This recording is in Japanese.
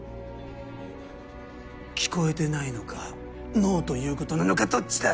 聞こえてないのかノーということなのかどっちだ。